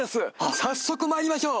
早速参りましょう！